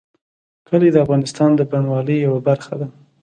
کلي د افغانستان د بڼوالۍ یوه برخه ده.